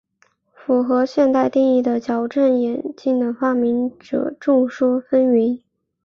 符合现代定义的矫正用眼镜的发明者众说纷纭。